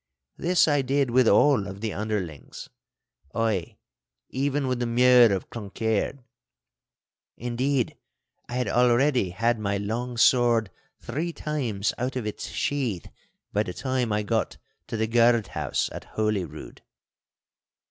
This I did with all of the underlings—aye, even with Mure of Cloncaird. Indeed, I had already had my long sword three times out of its sheath by the time I got to the guard house at Holyrood.